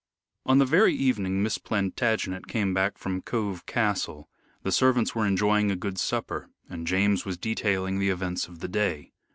On the very evening Miss Plantagenet came back from Cove Castle, the servants were enjoying a good supper, and James was detailing the events of the day.